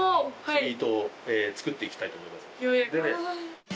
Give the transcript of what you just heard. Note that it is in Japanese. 作って行きたいと思います。